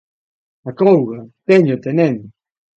Acouga. Téñote, neno.